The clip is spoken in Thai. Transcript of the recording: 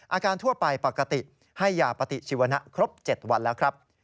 ทั่วไปปกติให้ยาปฏิชีวนะครบ๗วันแล้วครับ